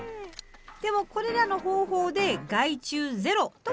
でもこれらの方法で害虫ゼロとはいきません。